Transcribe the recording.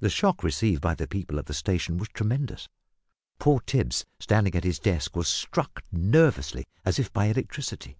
The shock received by the people at the station was tremendous. Poor Tipps, standing at his desk, was struck nervously as if by electricity.